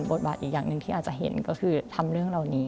บทบาทอีกอย่างหนึ่งที่อาจจะเห็นก็คือทำเรื่องเหล่านี้